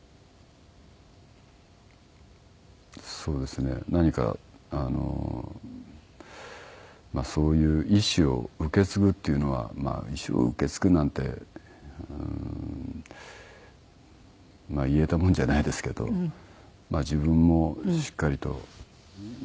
そうですね何かそういう遺志を受け継ぐっていうのはまあ遺志を受け継ぐなんてまあ言えたもんじゃないですけど自分もしっかりとやっていかねばいけないなと思ってます